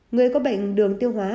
người có bệnh đường tiêu hóa